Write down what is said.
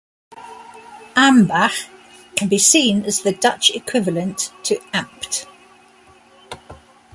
"Ambacht" can be seen as the Dutch equivalent to "amt".